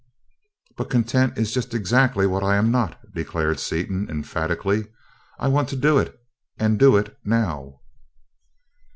"But content is just exactly what I'm not!" declared Seaton, emphatically. "I want to do it, and do it now!"